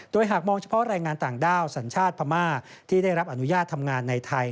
โดยหากมองเฉพาะแรงงานต่างด้าวสัญชาติพม่าที่ได้รับอนุญาตทำงานในไทย